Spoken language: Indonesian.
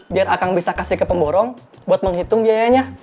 biar akan bisa kasih ke pemborong buat menghitung biayanya